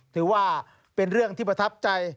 ถือว่าเป็นเรื่องที่ประทับใจ